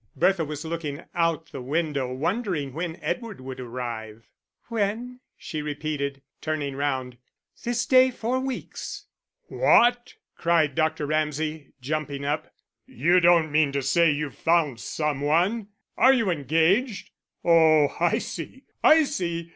Bertha was looking out the window, wondering when Edward would arrive. "When?" she repeated, turning round. "This day four weeks!" "What!" cried Dr. Ramsay, jumping up. "You don't mean to say you've found some one! Are you engaged? Oh, I see, I see.